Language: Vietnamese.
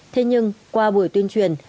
thế nhưng qua buổi tuyên truyền